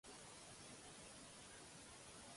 Com es diu l'actriu que fa de Renesmee?